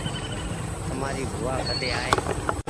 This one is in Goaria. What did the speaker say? تمآري بووآ ڪۮي آئي